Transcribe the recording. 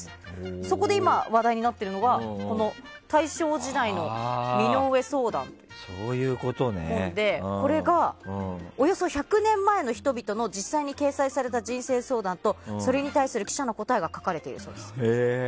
今、話題になっているのがこの大正時代の身の上相談でおよそ１００年前の人々の実際に掲載された人生相談とそれに対する記者の答えが書かれているそうです。